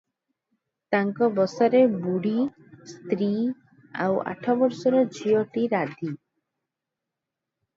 ତାଙ୍କ ବସାରେ ବୁଢୀଢ଼ୀ, ସ୍ତ୍ରୀ ଆଉ ଆଠ ବର୍ଷର ଝିଅଟି ରାଧୀ ।